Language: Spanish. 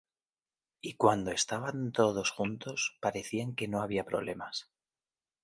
Y cuando estaban todos juntos, parecía que no había problemas.